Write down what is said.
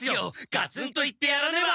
ガツンと言ってやらねば！